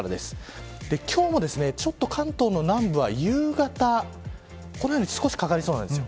今日もちょっと関東の南部は夕方このように少しかかりそうです。